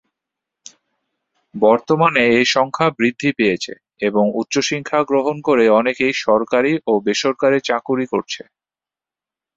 বর্তমানে এ সংখ্যা বৃদ্ধি পেয়েছে এবং উচ্চশিক্ষা গ্রহণ করে অনেকেই সরকারি ও বেসরকারি চাকুরি করছে।